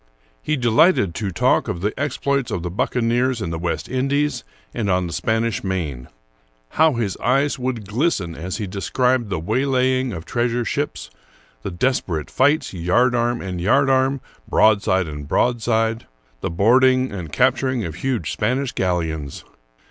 He delighted to talk of the exploits of the buccaneers in the West Indies and on the Spanish Main.^ How his eyes would glisten as he described the way laying of treasure ships ; the desperate fights, yardarm and yardarm,^ broadside and broadside ;^ the boarding and cap turing huge Spanish galleons